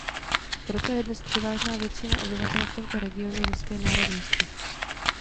Proto je dnes převážná většina obyvatel v tomto regionu ruské národnosti.